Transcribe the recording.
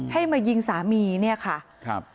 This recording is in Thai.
ให้มายิงสามีเนี่ยค่ะครับ